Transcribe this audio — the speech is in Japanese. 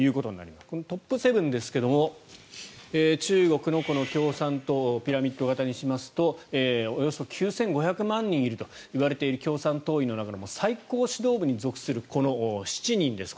トップ７ですけども中国の共産党ピラミッド型にしますとおよそ９５００万人いるといわれている共産党員の中でも最高指導部に属するこの７人です。